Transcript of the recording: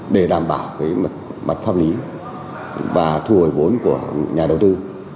để đảm bảo cái mặt pháp lý và thu hồi vốn của nhà đầu tư